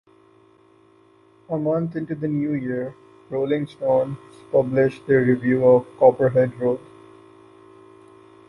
A month into the new year, "Rolling Stone" published their review of "Copperhead Road".